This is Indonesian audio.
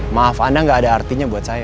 maaf anda nggak ada artinya buat saya